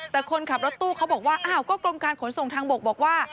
แต่คนขับรถตู้เขาบอกว่าอ้าวก็กรมการขนส่งทางบกบอกว่า